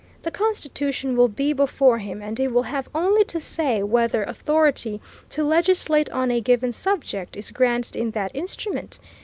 The Constitution will be before him, and he will have only to say whether authority to legislate on a given subject is granted in that instrument.